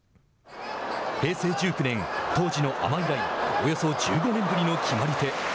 平成１９年、当時の安馬以来およそ１５年ぶりの決まり手。